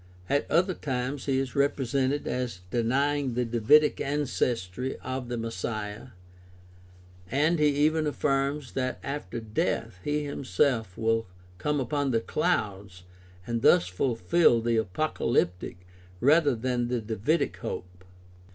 At other times he is represented as denying the Davidic ancestry of the Messiah (Mark 12:35 37), ^.nd he even afhrms that after death he himself will come upon the clouds and thus fulfil the apocalyptic rather than the Davidic hope (Mark 8:39; 9:1; 14:^ f.).